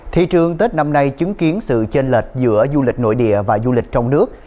thị trường tết năm nay chứng kiến sự chênh lệch giữa du lịch nội địa và du lịch trong nước